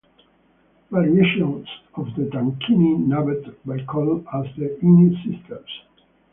Variations of the tankini, dubbed by Cole as the "ini" sisters.